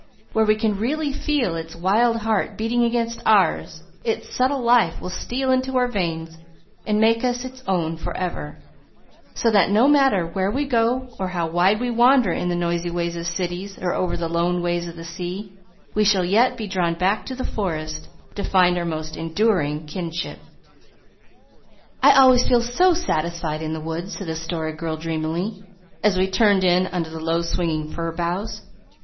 When we can really feel its wild heart beating against ours its subtle life will steal into our veins and make us its own for ever, so that no matter where we go or how wide we wander in the noisy ways of cities or over the lone ways of the sea, we shall yet be drawn back to the forest to find our most enduring kinship." "I always feel so SATISFIED in the woods," said the Story Girl dreamily, as we turned in under the low swinging fir boughs.